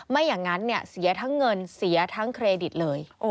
ไม่อย่างนั้นเนี่ยเสียทั้งเงินเสียทั้งเครดิตเลย